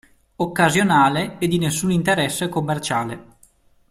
Occasionale e di nessun interesse commerciale.